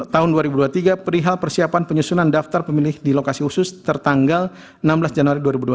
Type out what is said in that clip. tahun dua ribu dua puluh tiga perihal persiapan penyusunan daftar pemilih di lokasi khusus tertanggal enam belas januari dua ribu dua puluh